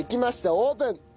オープン！